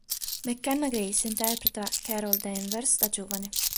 Mckenna Grace interpreta Carol Danvers da giovane.